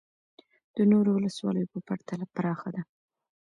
د نورو ولسوالیو په پرتله پراخه ده